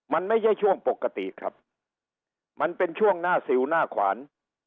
มันไม่ใช่ช่วงปกติครับมันเป็นช่วงหน้าสิวหน้าขวาน